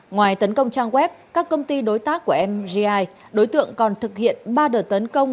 ngoài tấn công trang web các công ty đối tác của mgi đối tượng còn thực hiện ba đợt tấn công